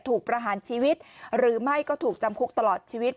ประหารชีวิตหรือไม่ก็ถูกจำคุกตลอดชีวิต